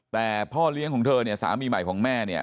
แต่พ่อเลี้ยงของเธอเนี่ยสามีใหม่ของแม่เนี่ย